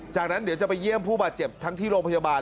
จากนั้นเดี๋ยวจะไปเยี่ยมผู้บาดเจ็บทั้งที่โรงพยาบาล